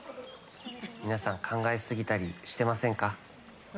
皆さん考えすぎたりしてませんか？